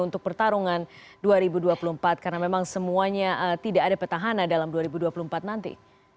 untuk pertarungan dua ribu dua puluh empat karena memang semuanya tidak ada petahana dalam dua ribu dua puluh empat nanti